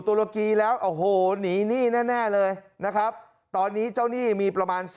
ตุรกีแล้วโอ้โหหนีหนี้แน่เลยนะครับตอนนี้เจ้าหนี้มีประมาณ